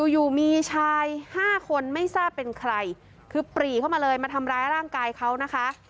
อยู่มีชายห้าคนไม่ทราบเป็นใครคือปรีเข้ามาเลยมาทำร้ายร่างกายเขานะคะ